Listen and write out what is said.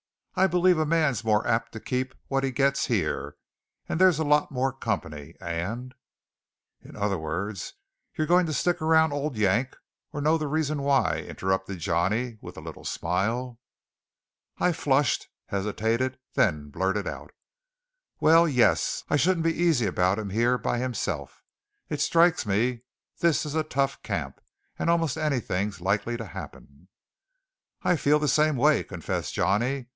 I believe a man's more apt to keep what he gets here, and there's a lot more company, and " "In other words, you're going to stick around old Yank or know the reason why!" interrupted Johnny with a little smile. I flushed, hesitated, then blurted out: "Well, yes. I shouldn't be easy about him here by himself. It strikes me this is a tough camp, and almost anything's likely to happen." "I feel the same way," confessed Johnny.